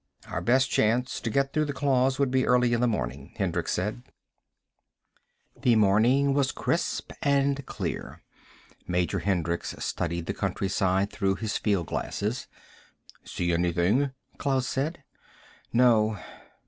"Our best chance to get through the claws should be early in the morning," Hendricks said. The morning was crisp and clear. Major Hendricks studied the countryside through his fieldglasses. "See anything?" Klaus said. "No."